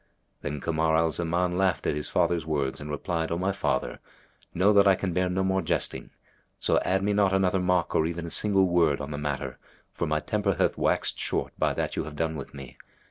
Then Kamar al Zaman laughed at his father's words and replied, "O my father, know that I can bear no more jesting; so add me not another mock or even a single word on the matter, for my temper hath waxed short by that you have done with me.